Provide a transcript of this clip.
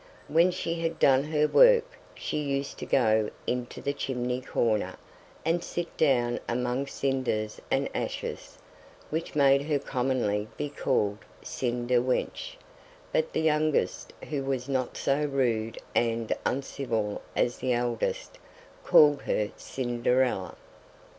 When she had done her work, she used to go into the chimney corner, and sit down among cinders and ashes, which made her commonly be called Cinderwench; but the youngest, who was not so rude and uncivil as the eldest, called her Cinderella.